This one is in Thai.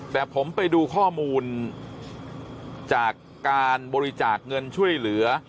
แต่ผมไปดูข้อมูลจากการบริจาคเงินช่วยเหลือ